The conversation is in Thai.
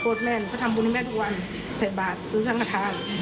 โทษแม่หนูก็ทำบุญแม่ทุกวันใส่บาทซื้อช่างกระทาง